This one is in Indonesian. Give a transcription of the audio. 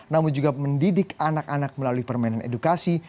namun juga mendidik anak anak melalui permainan edukasi